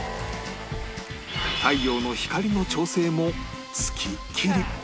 太陽の光の調整も付きっきり